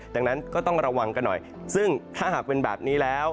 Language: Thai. ดังนั้นก็ต้องระวังกันหน่อยซึ่งถ้าหากเป็นแบบนี้แล้ว